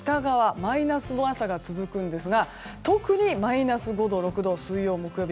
マイナスの朝が続くんですが特にマイナス５度、６度が水曜日、木曜日。